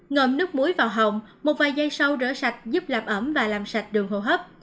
ngâm nước muối vào hồng một vài giây sâu rửa sạch giúp làm ẩm và làm sạch đường hô hấp